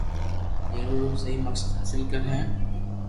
جيون رو سھي مقصد حاصل ڪري ھين